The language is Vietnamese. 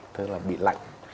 tức là bị lạnh